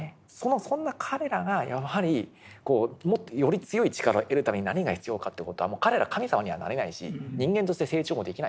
そんな彼らがやはりより強い力を得るために何が必要かって事は彼らは神様にはなれないし人間として成長もできない。